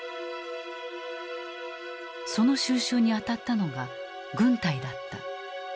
その収拾に当たったのが軍隊だった。